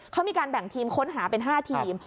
เขามีการแบ่งทีมค้นหาเป็น๕ทีม